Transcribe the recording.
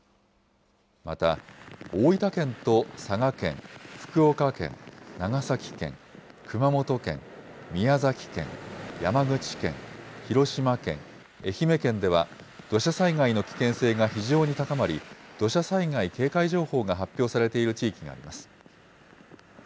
また、大分県と佐賀県、福岡県、長崎県、熊本県、宮崎県、山口県、広島県、愛媛県では、土砂災害の危険性が非常に高まり、土砂災害警戒情報が発表されている地域があります。